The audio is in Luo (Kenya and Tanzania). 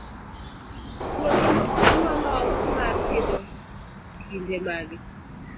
puothe nolos mar pitho kinde mage?